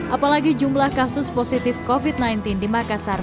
apalagi jumlah kasus positif covid sembilan belas di makassar